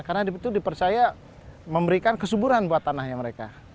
karena itu dipercaya memberikan kesuburan buat tanahnya mereka